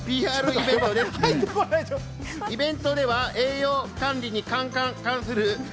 イベントでは栄養管理に関する。